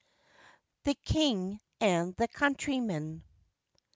THE KING AND THE COUNTRYMAN.